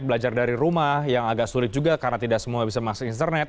belajar dari rumah yang agak sulit juga karena tidak semua bisa masuk internet